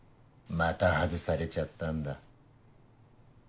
また外されちゃったんだ。